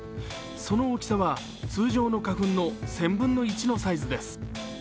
その大きさは通常の花粉の１０００分の１のサイズです。